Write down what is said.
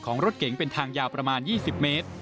รถเก๋งเป็นทางยาวประมาณ๒๐เมตร